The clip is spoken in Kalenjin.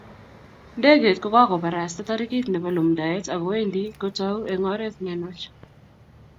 Ndeget kokakobarasta tarikiit nebo lumdaet ak kowendi kotou eng oret ne nenwach.